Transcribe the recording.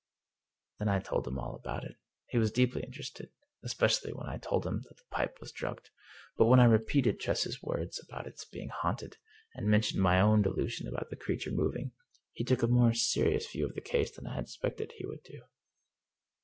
Then I told him all about it. He was deeply interested, especially when I told him that the pipe was drugged. But when I repeated Tress's words about its being haunted, and mentioned my own delusion about the creature mov ing, he took a more serious view of the case than I had expected he would do.